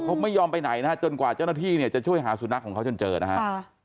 เขาไม่ยอมไปไหนนะฮะจนกว่าเจ้าหน้าที่เนี่ยจะช่วยหาสุนัขของเขาจนเจอนะฮะ